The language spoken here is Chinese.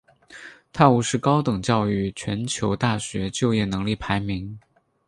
泰晤士高等教育全球大学就业能力排名。